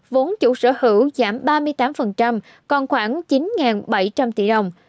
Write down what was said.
vốn chủ sở hữu giảm ba mươi tám còn khoảng chín bảy trăm linh tỷ đồng